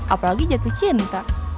apalagi jatuh cinta